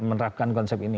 menerapkan konsep ini